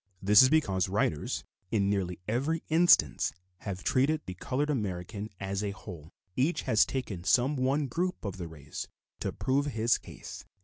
This is because writers, in nearly every instance, have treated the colored American as a whole; each has taken some one group of the race to prove his case.